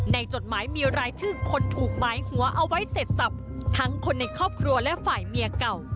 จดหมายมีรายชื่อคนถูกหมายหัวเอาไว้เสร็จสับทั้งคนในครอบครัวและฝ่ายเมียเก่า